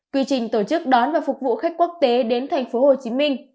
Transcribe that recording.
quy trình tổ chức đón và phục vụ khách quốc tế đến tp hcm